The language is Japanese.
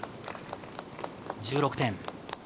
１６点。